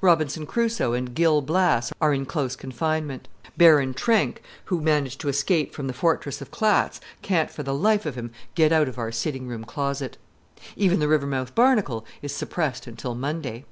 Robinson Crusoe and Gil Blas are in close confinement. Baron Trenck, who managed to escape from the fortress of Clatz, can't for the life of him get out of our sitting room closet. Even the Rivermouth Barnacle is suppressed until Monday.